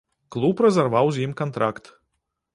Клуб разарваў з ім кантракт.